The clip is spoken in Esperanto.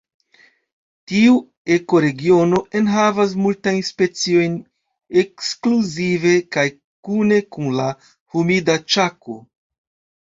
Tiu ekoregiono enhavas multajn speciojn ekskluzive kaj kune kun la Humida Ĉako.